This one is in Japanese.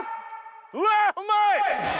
うわっうまい！